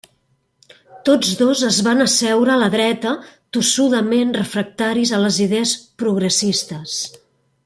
Tots dos es van asseure a la dreta, tossudament refractaris a les idees progressistes.